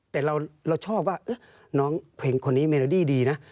แต่เราชอบว่าน้องเพลงคนนี้เมโลดี้ดีนะ